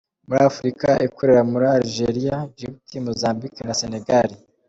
Muri Afurika ikorera muri Algeria, Djibouti, Mozambique na Senegal.